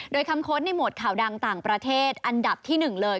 โดยคำค้นในหมวดข่าวดังต่างประเทศอันดับที่๑เลย